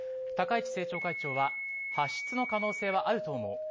高市政調会長は発出の可能性はあると思う。